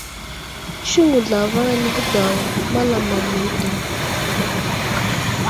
Siŋgu zlavaŋ anəhi daw malamaŋ yo ɗi.